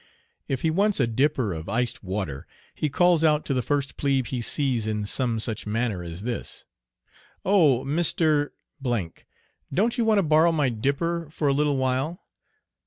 If he wants a dipper of iced water, he calls out to the first plebe he sees in some such manner as this: "Oh! Mr. , don't you want to borrow my dipper for a little while?"